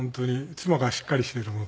妻がしっかりしてるので。